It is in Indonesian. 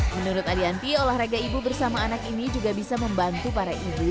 menurut adianti olahraga ibu bersama anak ini juga bisa membantu para ibu